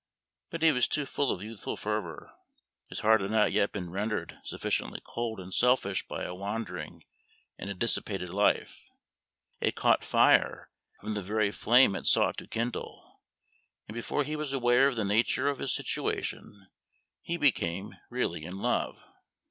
But he was too full of youthful fervor. His heart had not yet been rendered sufficiently cold and selfish by a wandering and a dissipated life: it caught fire from the very flame it sought to kindle, and before he was aware of the nature of his situation he became really in love.